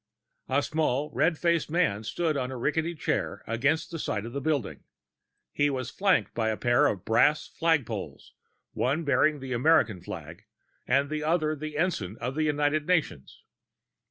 A small red faced man stood on a rickety chair against the side of the building. He was flanked by a pair of brass flagpoles, one bearing the American flag and the other the ensign of the United Nations.